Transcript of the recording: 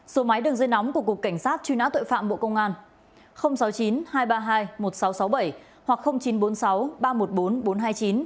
số máy đường dây nóng của cục cảnh sát truy nã tội phạm bộ công an sáu mươi chín hai trăm ba mươi hai một nghìn sáu trăm sáu mươi bảy hoặc chín trăm bốn mươi sáu ba trăm một mươi bốn bốn trăm hai mươi chín